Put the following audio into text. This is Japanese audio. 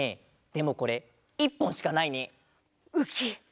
でもこれ１ぽんしかないね。ウキ。